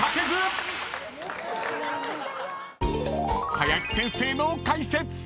［林先生の解説！］